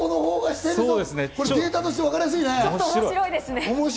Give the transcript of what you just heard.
データとしてわかりやすいね。